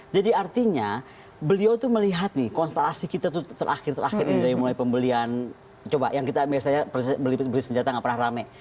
jadi artinya beliau tuh melihat nih konstelasi kita tuh terakhir terakhir ini dari mulai pembelian coba yang kita biasanya beli senjata nggak pernah rame